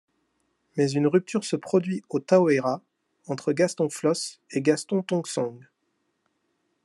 Mais une rupture se produit au Tahoeraa entre Gaston Flosse et Gaston Tong Sang.